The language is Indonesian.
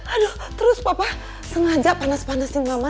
aduh terus papa sengaja panas panasin mama